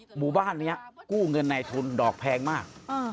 หมู่บ้านนี้กู้เงินในทุนดอกแพงมาก